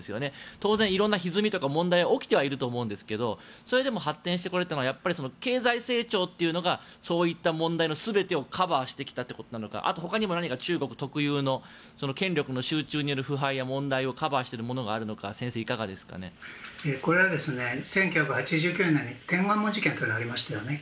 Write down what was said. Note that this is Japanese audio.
当然、色んなひずみとか問題は起きていると思うんですがそれでも発展してこれたのは経済成長というのがそういう問題を全てカバーしてきたということなのかあとほかにも中国特有の権力の集中による腐敗や問題をカバーしているものがあるのかこれは１９８９年に天安門事件がありましたよね。